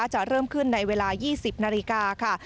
จะเริ่มขึ้นในเวลา๒๐นาฬิกาค่ะ